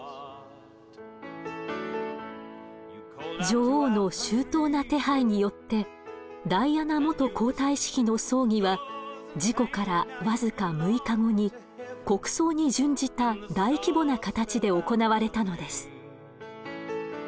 女王の周到な手配によってダイアナ元皇太子妃の葬儀は事故から僅か６日後に国葬に準じた大規模な形で行われたのです。